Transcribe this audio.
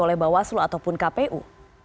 oleh bawaslu ataupun kpu